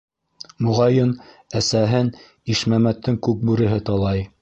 Моғайын, әсәһен Ишмәмәттең Күкбүреһе талай!